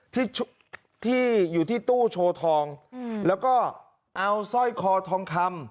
ที่ที่อยู่ที่ตู้โชว์ทองแล้วก็เอาสร้อยคอทองคำ